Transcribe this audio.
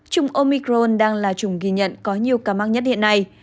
trung omicron đang là chủng ghi nhận có nhiều ca mắc nhất hiện nay